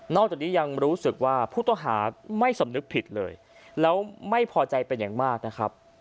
จากนี้ยังรู้สึกว่าผู้ต้องหาไม่สำนึกผิดเลยแล้วไม่พอใจเป็นอย่างมากนะครับ